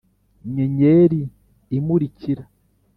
nyenyeri imurikira